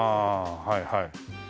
はいはい。